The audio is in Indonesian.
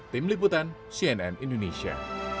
tim liputan cnn indonesia